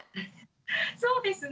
そうですね。